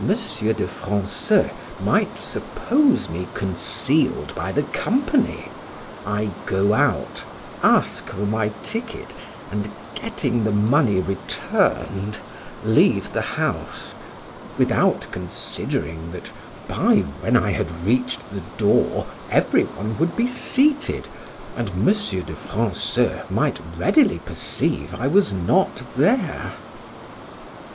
de Franceul might suppose me concealed by the company, I go out, ask for my ticket, and, getting the money returned, leave the house, without considering, that by then I had reached the door every one would be seated, and M. de Franceul might readily perceive I was not there.